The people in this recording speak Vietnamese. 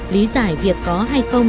lý giải việc có hay không